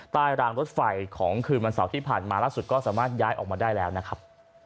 รางรถไฟของคืนวันเสาร์ที่ผ่านมาล่าสุดก็สามารถย้ายออกมาได้แล้วนะครับ